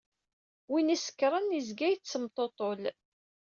Win isekṛen, izga yettemṭuṭul.